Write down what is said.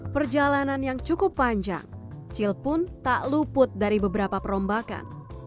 perjalanan yang cukup panjang cil pun tak luput dari beberapa perombakan